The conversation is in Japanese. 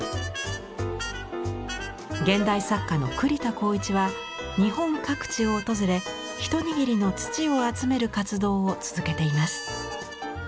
現代作家の栗田宏一は日本各地を訪れ一握りの土を集める活動を続けています。